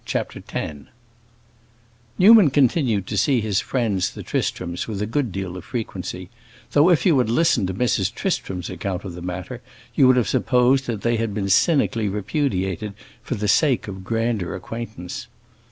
CHAPTER X Newman continued to see his friends the Tristrams with a good deal of frequency, though if you had listened to Mrs. Tristram's account of the matter you would have supposed that they had been cynically repudiated for the sake of grander acquaintance.